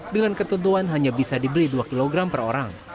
dengan ketentuan hanya bisa dibeli dua kg per orang